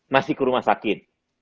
masih ke rumah sakit